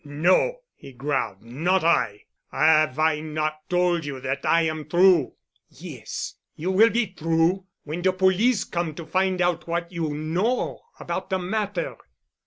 "No," he growled, "not I. Have I not told you that I am through?" "Yes. You will be through, when the police come to find out what you know about the matter."